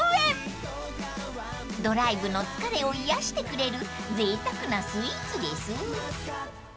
［ドライブの疲れを癒やしてくれるぜいたくなスイーツです］